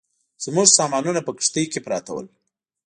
زموږ سامانونه په کښتۍ کې پراته ول.